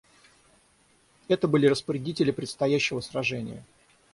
Это были распорядители предстоящего сражения.